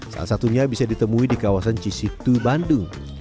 salah satunya bisa ditemui di kawasan cisitu bandung